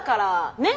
ねっ！